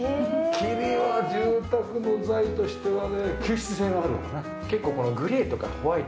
桐は住宅の材としてはね吸湿性があるのかな。